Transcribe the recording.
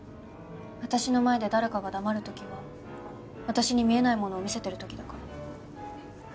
私の前で誰かが黙る時は私に見えないものを見せてる時だから。